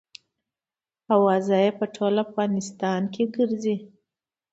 اوازه یې په ټول افغانستان کې ګرزي.